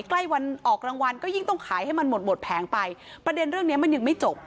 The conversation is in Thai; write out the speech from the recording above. ใกล้วันออกรางวัลก็ยิ่งต้องขายให้มันหมดหมดแผงไปประเด็นเรื่องเนี้ยมันยังไม่จบ